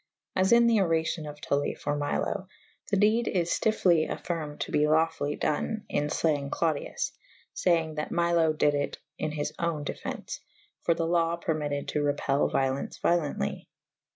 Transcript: As in the oracio« of Tully for Milo / the dede is ftyfly affirmed to be laufully done in fleyng Clodius / feynge that Milo dyd it in his owne [E v a] defence / for the lawe permitted to repell violence violently.